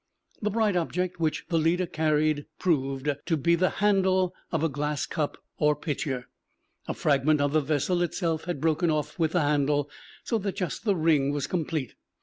The bright object which the leader carried proved to be the handle of a glass cup or pitcher. A fragment of the vessel itself had broken off with the handle, so that the ring was complete.